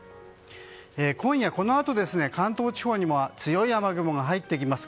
今夜このあと関東地方にも強い雨雲が入ってきます。